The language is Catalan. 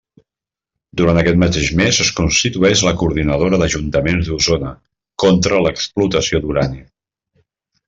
Durant aquest mateix mes es constitueix la Coordinadora d'Ajuntaments d'Osona contra l'explotació d'urani.